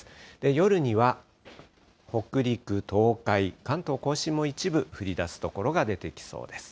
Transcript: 夜には、北陸、東海、関東甲信も一部、降りだす所が出てきそうです。